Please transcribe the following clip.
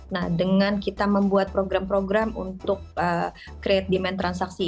nah dengan kita membuat program program untuk create demand transaksi